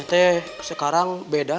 nyonya sekarang beda